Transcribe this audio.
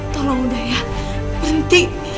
tolong udah ya berhenti